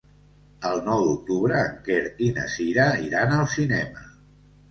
El nou d'octubre en Quer i na Cira iran al cinema.